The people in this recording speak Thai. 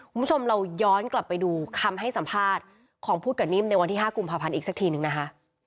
คุณผู้ชมเราย้อนกลับไปดูคำให้สัมภาษณ์ของพูดกับนิ่มในวันที่๕กุมภาพันธ์อีกสักทีนึงนะคะ